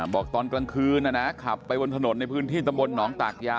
บอกตอนกลางคืนขับไปบนถนนในพื้นที่ตำบลหนองตากยา